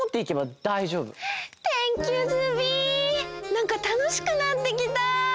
なんかたのしくなってきた！